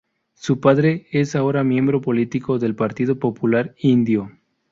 Su padre es ahora miembro político del Partido Popular Indio.